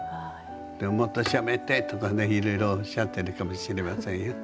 で「もっとしゃべって！」とかねいろいろおっしゃってるかもしれませんよ。